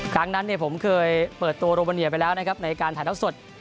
ครั้งนั้นผมเคยเปิดตัวโรโมเนียไปแล้วนะครับในการถ่ายเท่าสด